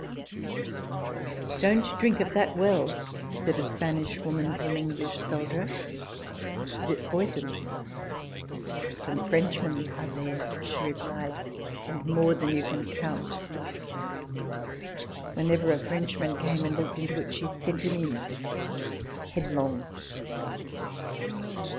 " Don't drink of that well," said a Spanish woman to an English soldier. "Is it poisoned ?"" Some Frenchmen are there," she replied, " and more than you can count." Whenever 232 RECOLLECTIONS OF THE a Frenchman came and looked into it, she sent him in, headlong